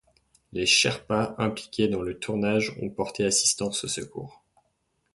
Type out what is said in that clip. Les Sherpas impliqués dans le tournage ont porté assistance aux secours.